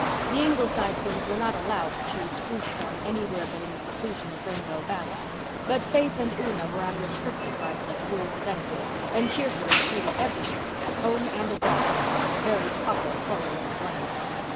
The Ingleside twins were not allowed to chew spruce gum anywhere but in the seclusion of Rainbow Valley, but Faith and Una were unrestricted by such rules of etiquette and cheerfully chewed it everywhere, at home and abroad, to the very proper horror of the Glen.